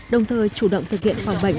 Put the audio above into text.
đồng thời chủ động thực hiện phòng bệnh